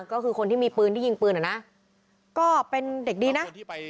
ก็คือคนที่มีปืนที่ยิงปืนอ่ะนะก็เป็นเด็กดีนะ